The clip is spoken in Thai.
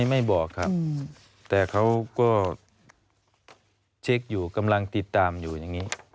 ไม่บอกครับแต่เขาก็เช็คอยู่กำลังติดตามอยู่อย่างนี้